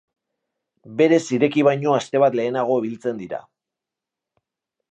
Berez ireki baino aste bat lehenago biltzen dira.